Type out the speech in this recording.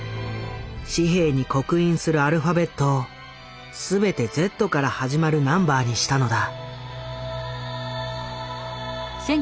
紙幣に刻印するアルファベットをすべて「Ｚ」から始まるナンバーにしたのだ。